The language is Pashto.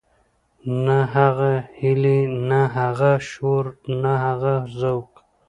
نه هغه هيلې نه هغه شور نه هغه ذوق.